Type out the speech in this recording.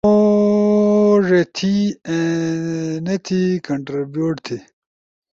موڙے تھی، اینتی کنٹربیوٹ تھی۔